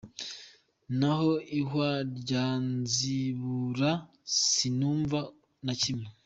"N'aho ihwa ryanzibura sinumva na kimwe.